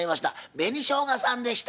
紅しょうがさんでした。